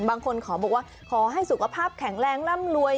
ขอบอกว่าขอให้สุขภาพแข็งแรงร่ำรวย